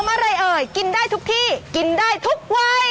อะไรเอ่ยกินได้ทุกที่กินได้ทุกวัย